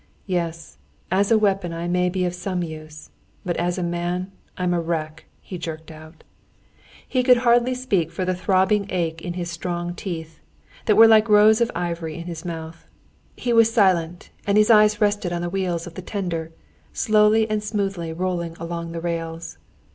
"Yes, as a weapon I may be of some use. But as a man, I'm a wreck," he jerked out. He could hardly speak for the throbbing ache in his strong teeth, that were like rows of ivory in his mouth. He was silent, and his eyes rested on the wheels of the tender, slowly and smoothly rolling along the rails.